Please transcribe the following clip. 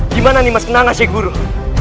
di mana nimas kenanga sheikh buruh